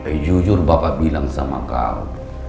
eh jujur bapak bilang sama kamu